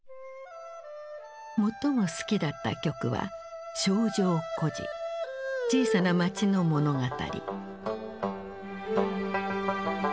最も好きだった曲は「小城故事」小さな町の物語。